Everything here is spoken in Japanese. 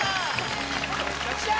よっしゃ！